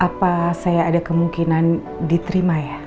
apa saya ada kemungkinan diterima ya